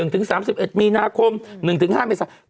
๑ถึง๓๑มีนาคม๑ถึง๕เมื่อสัปดาห์